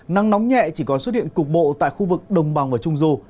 nắng nóng nhẹ chỉ còn xuất hiện cục bộ tại khu vực đồng bằng và trung du